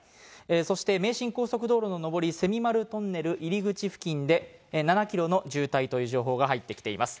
そして名神高速道路の上り蝉丸トンネル入り口付近で７キロの渋滞という情報が入ってきています。